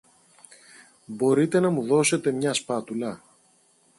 Μπορείτε να μου δώσετε μια σπάτουλα;